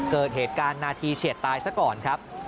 เกิดเหตุการณ์นาทีเฉียดตายซะก่อนครับ